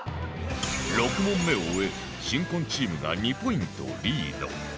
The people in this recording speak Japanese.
６問目を終え新婚チームが２ポイントリード